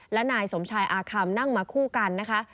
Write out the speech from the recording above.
และนายสมชายอาคัมนั่งมาคู่กันนะคะ